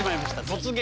「突撃！